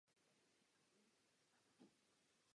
Falckého.